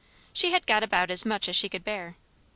She had got about as much as she could bear.